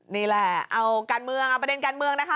นี่แหละเอาการเมืองเอาประเด็นการเมืองนะคะ